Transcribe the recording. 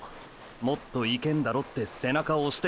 「もっといけんだろ」って背中押してくんだよ。